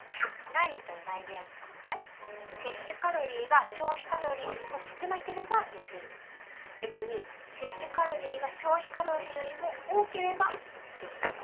ダイエットの大原則はね摂取カロリーが消費カロリーよりも少なければ痩せる逆に摂取カロリーが消費カロリーよりも多ければ太る